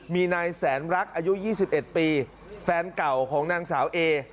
มีนายแสนรักอายุ๒๑ปีแฟนเก่าของนางสาวเอ